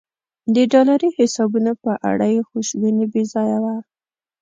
د ډالري حسابونو په اړه یې خوشبیني بې ځایه وه.